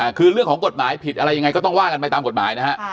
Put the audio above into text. คือเรื่องของกฎหมายผิดอะไรยังไงก็ต้องว่ากันไปตามกฎหมายนะฮะ